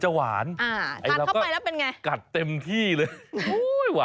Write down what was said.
แสบอยู่ในคล้อของลูก